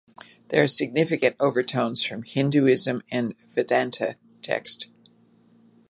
There are significant overtones from Hinduism and Vedanta text.